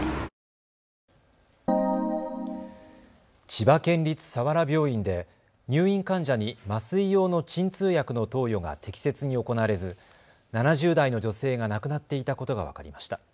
千葉県立佐原病院で入院患者に麻酔用の鎮痛薬の投与が適切に行われず７０代の女性が亡くなっていたことが分かりました。